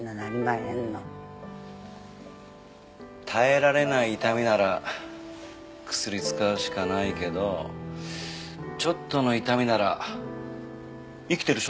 耐えられない痛みなら薬使うしかないけどちょっとの痛みなら生きてる証拠だろ？